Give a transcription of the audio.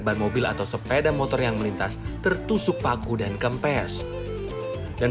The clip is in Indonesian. ban mobil atau sepeda motor yang melintas tertusuk paku dan kempes dan